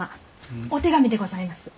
お手紙でございます。